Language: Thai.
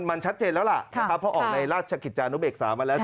มันชัดเจนแล้วล่ะแล้วก็ได้รัดเฉคิดจานุบเอกสามาแล้ว